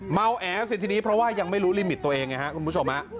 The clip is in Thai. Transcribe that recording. แอ๋สิทีนี้เพราะว่ายังไม่รู้ลิมิตตัวเองไงครับคุณผู้ชมฮะ